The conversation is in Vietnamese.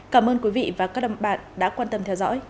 cảm ơn quý vị và các đồng bạn đã quan tâm theo dõi